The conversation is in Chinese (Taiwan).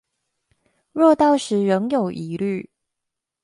若到時仍有疑慮